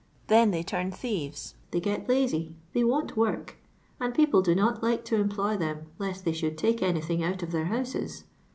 TA<» they turn tliitves, they get la^y, they won't work, and people do not Hie to employ them lest they should tale anything out of their houses.